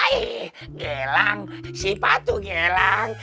aih gelang sifat tuh gelang